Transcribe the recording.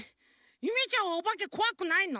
ゆめちゃんはおばけこわくないの？